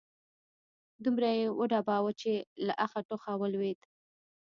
دومره يې وډباوه چې له اخه، ټوخه ولوېد